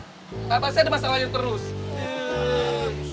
ga pasti ada masalahnya terus